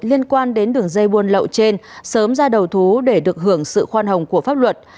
liên quan đến đường dây buôn lậu trên sớm ra đầu thú để được hưởng sự khoan hồng của pháp luật